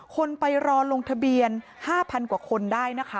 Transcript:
คนไปรอลงทะเบียน๕๐๐๐กว่าคนได้นะคะ